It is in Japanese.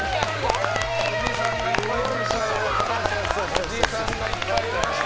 おじさんがいっぱい来ました。